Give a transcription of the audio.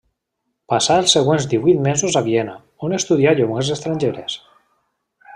Passà els següents divuit mesos a Viena, on estudià llengües estrangeres.